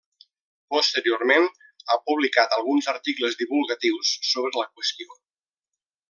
Posteriorment, ha publicat alguns articles divulgatius sobre la qüestió.